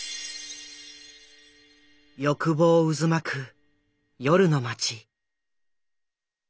欲望渦巻く夜の街。